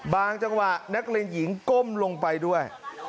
จังหวะนักเรียนหญิงก้มลงไปด้วย